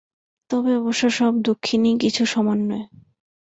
তবে অবশ্য সব দক্ষিণীই কিছু সমান নয়।